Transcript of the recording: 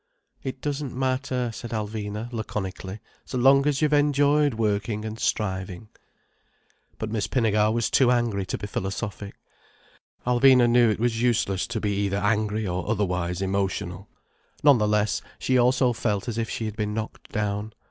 "It doesn't matter," said Alvina laconically, "so long as you've enjoyed working and striving." But Miss Pinnegar was too angry to be philosophic. Alvina knew it was useless to be either angry or otherwise emotional. None the less, she also felt as if she had been knocked down.